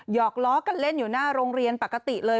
อกล้อกันเล่นอยู่หน้าโรงเรียนปกติเลย